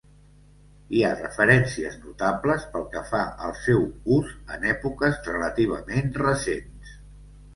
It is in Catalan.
Hi ha referències notables pel que fa al seu ús en èpoques relativament recents.